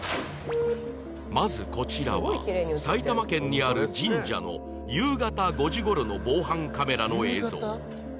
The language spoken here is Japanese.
まずこちらは埼玉県にある神社の夕方５時頃の防犯カメラの映像